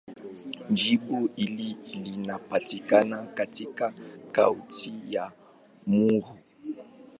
Jimbo hili linapatikana katika Kaunti ya Meru.